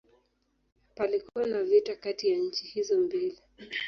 Palikuwa na vita kati ya nchi hizo mbili.